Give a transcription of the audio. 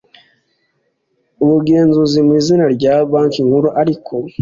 ubugenzuzi mu izina rya banki nkuru ariko